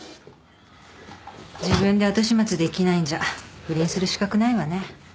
自分で後始末できないんじゃ不倫する資格ないわね。